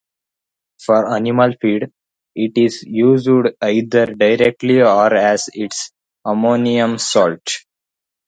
For animal feed, it is used either directly or as its ammonium salt.